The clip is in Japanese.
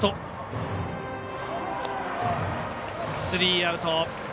スリーアウト。